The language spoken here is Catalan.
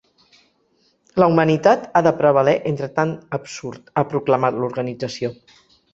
La humanitat ha de prevaler entre tant absurd, ha proclamat l’organització.